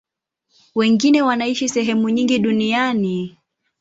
Wengine wanaishi sehemu nyingi duniani.